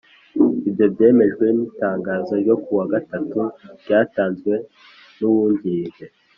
ibyo byemejwe n'itangazo ryo ku wa gatatu ryatanzwe n'uwungirije